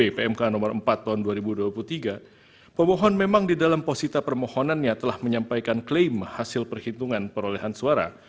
pmk no empat tahun dua ribu dua puluh tiga pemohon memang di dalam posisita permohonannya telah menyampaikan klaim hasil perhitungan perolehan suara